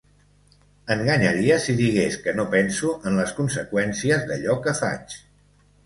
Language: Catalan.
Enganyaria si digués que no penso en les conseqüències d’allò que faig.